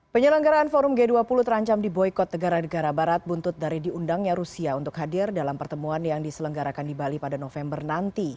penyelenggaraan forum g dua puluh terancam di boykot negara negara barat buntut dari diundangnya rusia untuk hadir dalam pertemuan yang diselenggarakan di bali pada november nanti